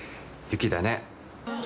雪だね。